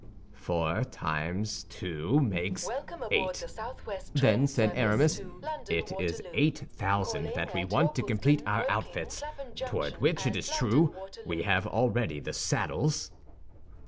"Four times two makes eight," then said Aramis; "it is eight thousand that we want to complete our outfits, toward which, it is true, we have already the saddles."